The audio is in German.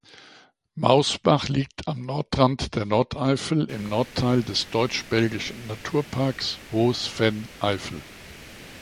Mausbach liegt am Nordrand der Nordeifel im Nordteil des deutsch-belgischen Naturparks Hohes Venn-Eifel.